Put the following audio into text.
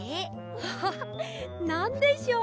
アハハなんでしょう？